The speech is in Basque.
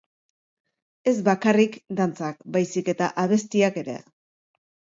Ez bakarrik dantzak, baizik eta abestiak ere.